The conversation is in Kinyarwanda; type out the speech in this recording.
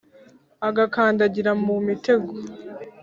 agakandagira mu mitego!